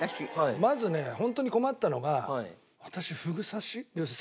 まずねホントに困ったのが私フグ刺し。